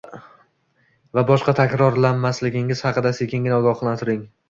va boshqa takrorlamasligingiz haqida sekingina ogohlantiring.